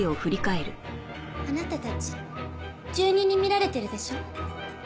あなたたち住人に見られてるでしょ。